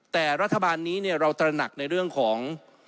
แต่รัฐบาลนี้เราตระหนักในเรื่องของ